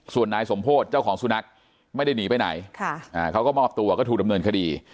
ส่วนนายสมโพธิเจ้าของสุนัขไม่ได้หนีไปไหนเขาก็มอบตัวก็ถูกดำเนินคดี